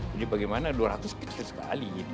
jadi bagaimana dua ratus ribu sekali